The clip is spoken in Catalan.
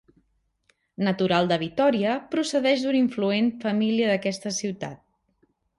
Natural de Vitòria, procedeix d'una influent família d'aquesta ciutat.